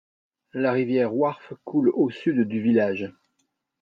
La rivière Wharfe coule au sud du village.